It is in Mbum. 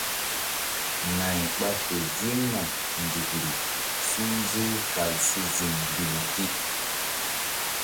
Nay ɓa fe ziŋna nzukri suhze kal si ziŋ duli pi.